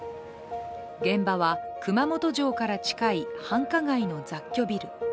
現場は熊本城から近い繁華街の雑居ビル。